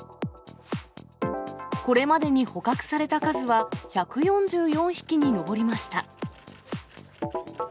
これまでに捕獲された数は１４４匹に上りました。